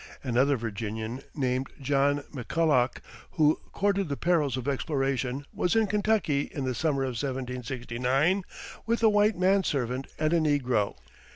Another Virginian, named John McCulloch, who courted the perils of exploration, was in Kentucky in the summer of 1769 with a white man servant and a negro.